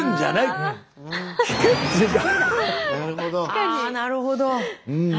あなるほど。